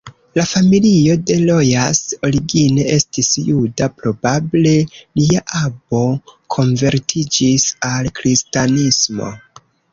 La familio de Rojas origine estis juda, probable lia avo konvertiĝis al kristanismo.